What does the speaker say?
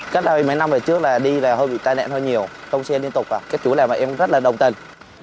các năm trước đi là hơi bị tai nạn hơi nhiều không xe liên tục các chú làm em rất là đồng tình